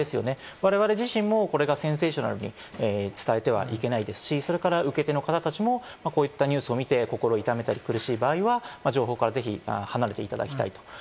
我々自身もこれがセンセーショナルに伝えてはいけないですし、それから受け手の方たちもこういったニュースを見て、心を痛めたり苦しい場合は、情報からぜひ離れていただきたい。